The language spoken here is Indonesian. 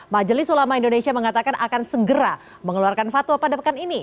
majelis ulama indonesia mengatakan akan segera mengeluarkan fatwa pada pekan ini